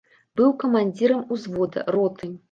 Быў камандзірам узвода, роты.